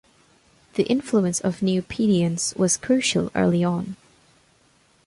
The influence of Nupedians was crucial early on.